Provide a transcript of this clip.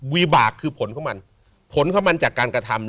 วิบากคือผลของมันผลของมันจากการกระทำ